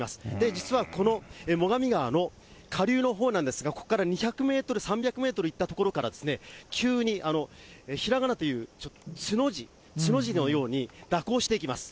実はこの最上川の下流のほうなんですが、ここから２００メートル、３００メートル行った所から急に、ひらがなのつの字、つの字のように蛇行していきます。